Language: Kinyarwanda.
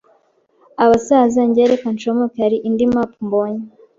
Abasaza njye reka ncomoke hari indi map mbonye